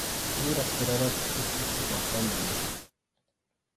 Yuraq siraraqa chʼaki uhupaq hampim